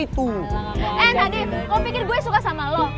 itu eh nadif kamu pikir gue suka sama lo